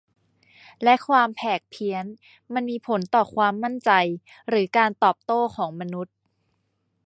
และความแผกเพี้ยน มันมีผลต่อความมั่นใจหรือการโต้ตอบของมนุษย์